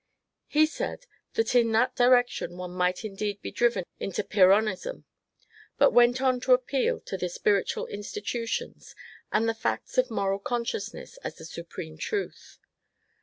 He said that in that direction one might indeed be driven into Pyrrhonism, but went on to appeal to the spiritual intuitions and the facts of moral consciousness as the supreme truth.